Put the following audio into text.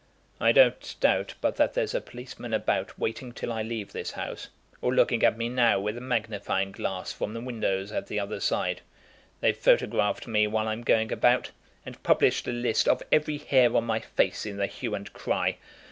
I don't doubt but that there's a policeman about waiting till I leave this house; or looking at me now with a magnifying glass from the windows at the other side. They've photographed me while I'm going about, and published a list of every hair on my face in the 'Hue and Cry.'